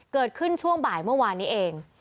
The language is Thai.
เกิดขึ้นช่วงบ่ายเมื่อวานนี้เอง